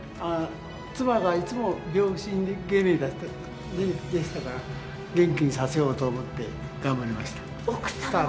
妻がいつも病身でしたから元気にさせようとして頑張りました。